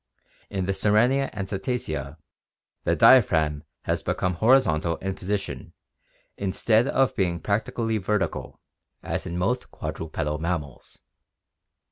In the Sirenia and Cetacea the diaphragm has become horizontal in position instead of being practically vertical as in most quadrupedal mammals.